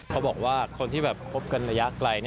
เขาบอกว่าคนที่คบกันระยะไกล